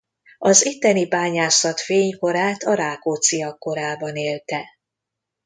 Az itteni bányászat fénykorát a Rákócziak korában élte.